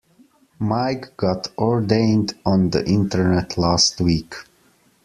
Mike got ordained on the internet last week.